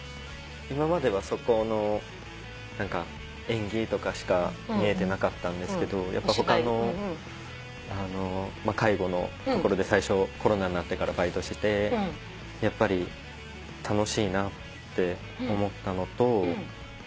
今まではそこの演技とかしか見えてなかったんですけどやっぱ他の介護のところでコロナになってからバイトしててやっぱり楽しいなって思ったのと。